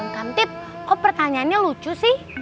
om kantip kok pertanyaannya lucu sih